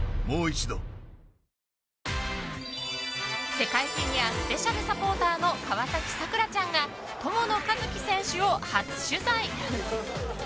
世界フィギュアスペシャルサポーターの川崎桜ちゃんが友野一希選手を初取材。